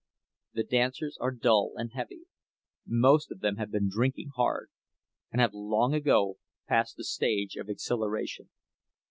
The dancers are dull and heavy—most of them have been drinking hard, and have long ago passed the stage of exhilaration.